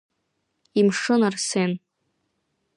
Имшын Арсен.